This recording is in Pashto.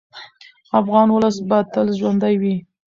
افغان ولس به تل ژوندی وي.